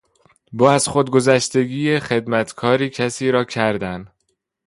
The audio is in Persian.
با از خودگذشتگی خدمتکاری کسی را کردن